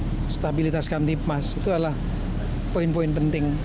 masalah stabilitas kami di pemas itu adalah poin poin penting